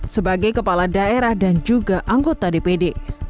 sebagai kepala daerah dan juga anggota dpd